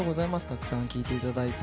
たくさん聴いていただいて。